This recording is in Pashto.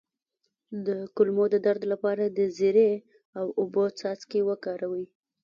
د کولمو د درد لپاره د زیرې او اوبو څاڅکي وکاروئ